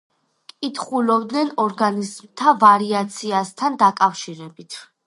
კითხულობდნენ ორგანიზმთა ვარიაციასთან დაკავშირებით.